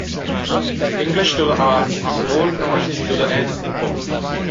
English to the "r", Old Norse to the "n" form.